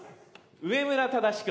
上村正君。